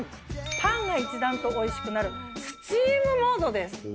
パンが一段とおいしくなるスチームモードです。